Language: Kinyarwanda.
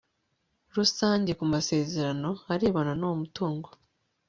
rusange ku amasezerano arebana n'uwo mutungo